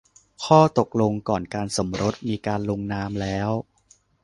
ข้อตกลงก่อนการสมรสมีการลงนามแล้ว